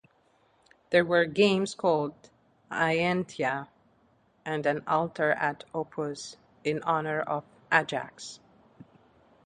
There were games called Aiantea and an altar at Opus in honor of Ajax.